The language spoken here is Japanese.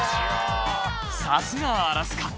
さすがアラスカ